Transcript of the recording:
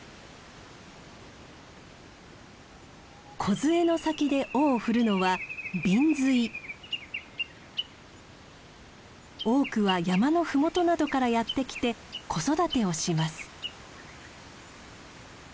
梢の先で尾を振るのは多くは山の麓などからやって来て子育てをします。